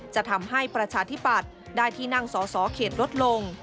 จะทำให้ประชาธิปัตย์ได้ที่นั่งสอสอเขตลดลง